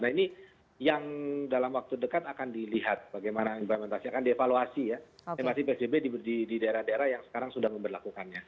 nah ini yang dalam waktu dekat akan dilihat bagaimana implementasinya akan dievaluasi ya masih psbb di daerah daerah yang sekarang sudah memperlakukannya